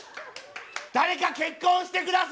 誰か結婚して下さい！